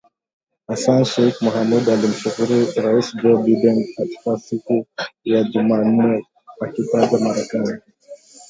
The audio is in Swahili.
Hassan Sheikh Mohamud alimshukuru Rais Joe Biden katika siku ya Jumanne akiitaja Marekani